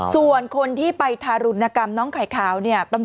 ส่วนคนไปทารุณกรรมน้องไข่ขาวต้องกลับว่า